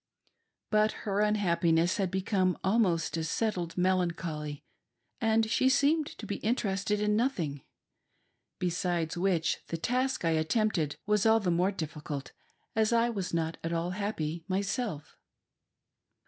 But her unhappiness had become almost a settled melancholy and she seemed to be interested in nothing. Besides which, the task I attempted was all the more difficult as I was not at all happy myself.